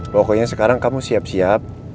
pokoknya sekarang kamu siap siap